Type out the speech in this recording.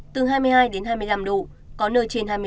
từ hai mươi hai đến hai mươi năm độ có nơi trên